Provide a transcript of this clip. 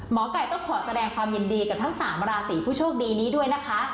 ไก่ต้องขอแสดงความยินดีกับทั้ง๓ราศีผู้โชคดีนี้ด้วยนะคะ